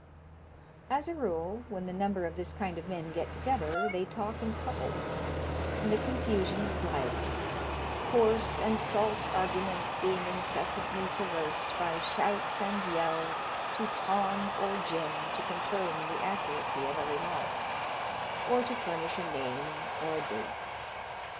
As a rule, when a number of this kind of men get together, they talk in couples, and the confusion is lively ; hoarse and salt arguments being incessantly traversed by shouts and yells to Tom or Jim to confirm the accuracy of a remark, or to furnish a name or a date.